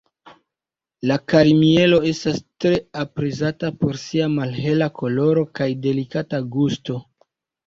La kari-mielo estas tre aprezata por sia malhela koloro kaj delikata gusto.